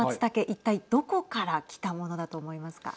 一体どこから来たものだと思いますか。